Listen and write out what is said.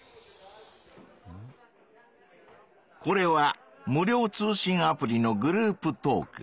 これは無料通信アプリのグループトーク。